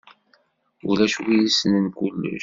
Ulac win issnen kullec.